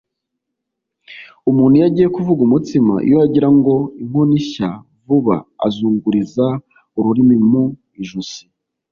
Umuntu iyo agiye kuvuga umutsima, iyo agirango inkono ishya vuba, azunguriza urumuri mu ijosi